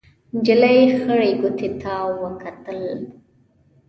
نجلۍ خړې کوټې ته وکتل.